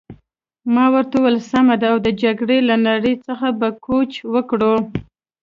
ما ورته وویل: سمه ده، او د جګړې له نړۍ څخه به کوچ وکړو.